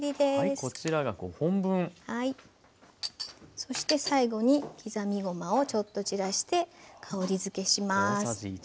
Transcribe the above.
そして最後に刻みごまをちょっと散らして香りづけします。